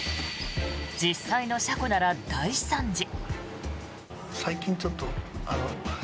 実際の車庫なら大惨事。